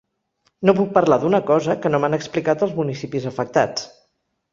No puc parlar d’una cosa que no m’han explicat els municipis afectats.